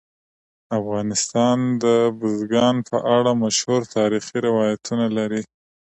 افغانستان د بزګان په اړه مشهور تاریخی روایتونه لري.